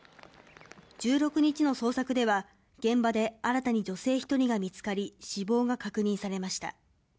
１６日の捜索では、現場で新たに女性１人が見つかり、死亡が確認されました。